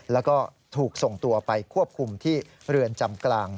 แล้วก็ถูกส่งตัวไปควบคุมที่เรือนจำกลาง